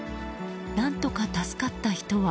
何とか助かった人は。